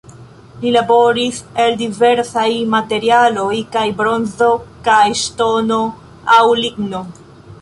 Li laboris el diversaj materialoj, kaj bronzo kaj ŝtono aŭ ligno.